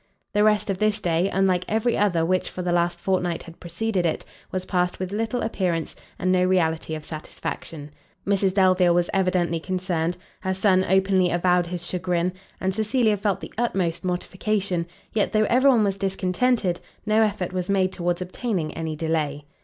The rest of this day, unlike every other which for the last fortnight had preceded it, was passed with little appearance, and no reality of satisfaction: Mrs Delvile was evidently concerned, her son openly avowed his chagrin, and Cecilia felt the utmost mortification; yet, though every one was discontented, no effort was made towards obtaining any delay.